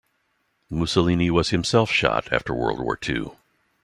Mussolini was himself shot after World War two.